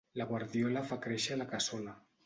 La guardiola fa créixer la cassola.